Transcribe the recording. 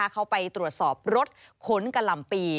เขาไปตรวจสอบรถขนกะหล่ำปี